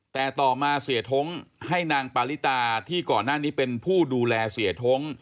แต่ต่อมาเสียท้งให้นางปาริตาที่ก่อนหน้านี้เป็นผู้ดูแลเสียท้ง